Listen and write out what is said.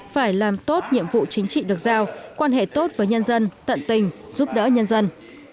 phải làm tốt nhiệm vụ chính trị được giao quan hệ tốt với nhân dân tận tình giúp đỡ nhân dân